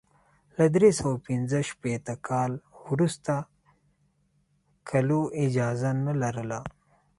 له درې سوه پنځه شپېته کال وروسته کلو اجازه نه لرله.